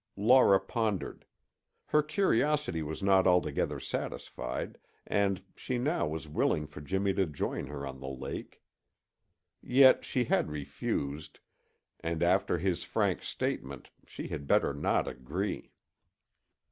Laura pondered. Her curiosity was not altogether satisfied and she now was willing for Jimmy to join her on the lake. Yet she had refused, and after his frank statement, she had better not agree.